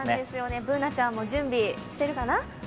Ｂｏｏｎａちゃんも準備してるかな。